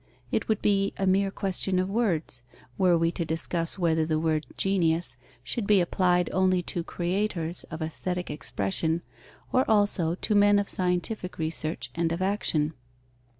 It would be a mere question of words, were we to discuss whether the word "genius" should be applied only to creators of aesthetic expression, or also to men of scientific research and of action.